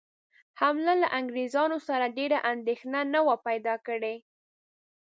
حمله له انګرېزانو سره ډېره اندېښنه نه وه پیدا کړې.